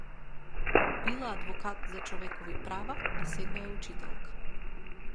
Била адвокат за човекови права, а сега е учителка.